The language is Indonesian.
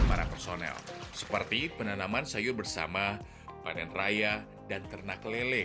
para personel seperti penanaman sayur bersama panen raya dan ternak lele